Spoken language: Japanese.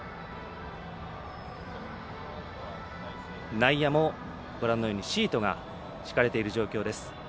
内野もご覧のようにシートが敷かれている状況です。